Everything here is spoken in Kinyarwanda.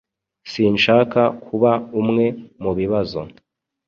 Sinshaka kuba umwe mubibazo.